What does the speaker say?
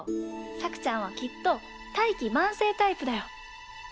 さくちゃんはきっと大器晩成タイプだよ。